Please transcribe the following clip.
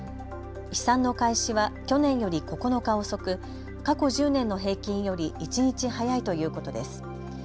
飛散の開始は去年より９日遅く、過去１０年の平均より１日早いということです。